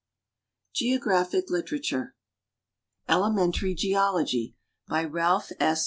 GEOGRAPHIC LITERATURE Elemmtanj Geology. Ry Rali)h S.